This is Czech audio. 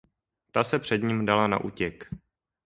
Ta se před ním dala na útěk.